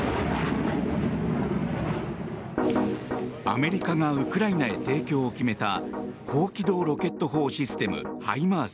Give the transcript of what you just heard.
アメリカがウクライナへ提供を決めた高機動ロケット砲システムＨＩＭＡＲＳ。